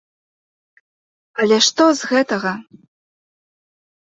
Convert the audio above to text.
Але што з гэтага?